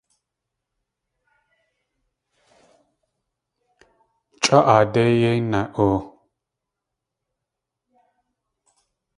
Chʼa aadé yéi na.oo!